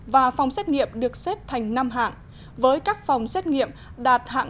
và phòng xét nghiệm được xếp thành năm hạng với các phòng xét nghiệm đạt hạng